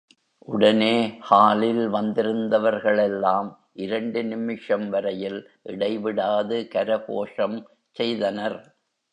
உடனே ஹாலில் வந்திருந்தவர்களெல்லாம் இரண்டு நிமிஷம் வரையில் இடைவிடாது கரகோஷம் செய்தனர்.